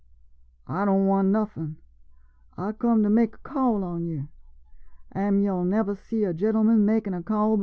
I don' want nuffin, I come to make a call on yo\ Am' yo' never see a gen'le man makin' a call befo'